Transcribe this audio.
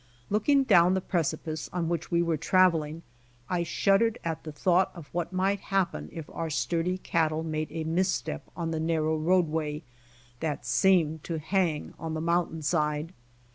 Looking down the precipice on which we were traveling T shuddered at the thought of what might happen if our sturdy cattle made a misstep on the narrow roadway that seemed to hang' on the mountain side.